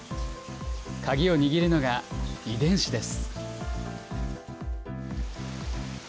鍵を握るのが遺伝子です。